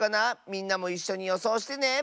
みんなもいっしょによそうしてね！